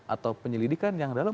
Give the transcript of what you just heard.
atau penyelidikan yang dalam